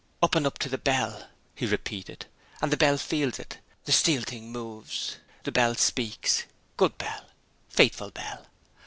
"Up and up to the bell," he repeated. "And the bell feels it. The steel thing moves. The bell speaks. Good bell! Faithful bell!"